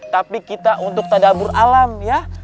tapi kita untuk tadabur alam ya